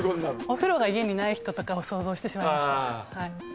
お風呂が家にない人とかを想像してしまいました。